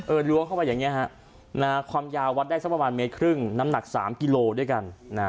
ล้วงเข้าไปอย่างนี้ฮะความยาววัดได้สักประมาณเมตรครึ่งน้ำหนัก๓กิโลด้วยกัน